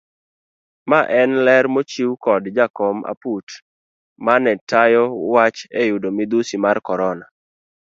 Maen ler mochiw kod jakom aput mane tayo wach eyudo midhusi mar korona.